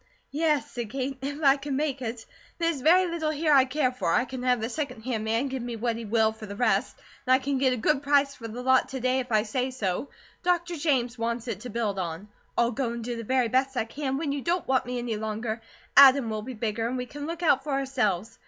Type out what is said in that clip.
"Yes," said Kate, "if I can make it. There's very little here I care for; I can have the second hand man give me what he will for the rest; and I can get a good price for the lot to day, if I say so. Dr. James wants it to build on. I'll go and do the very best I can, and when you don't want me any longer, Adam will be bigger and we can look out for ourselves.